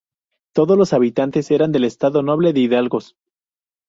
Todos los habitantes eran del estado noble de hidalgos.